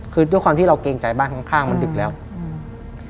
คือด้วยความที่เราเกรงใจบ้านข้างข้างมันดึกแล้วอืม